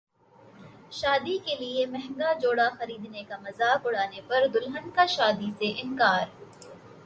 شادی کیلئے مہنگا جوڑا خریدنے کا مذاق اڑانے پر دلہن کا شادی سے انکار